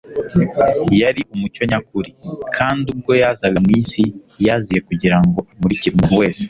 "Yari umucyo nyakuri, kandi ubwo yazaga mu isi yaziye kugira ngo amurikire umuntu wese."